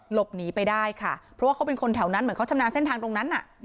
หลบหนีไปได้ค่ะเพราะว่าเขาเป็นคนแถวนั้นเหมือนเขาชำนาญเส้นทางตรงนั้น